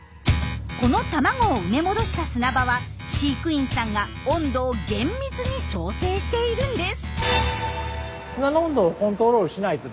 この卵を埋め戻した砂場は飼育員さんが温度を厳密に調整しているんです。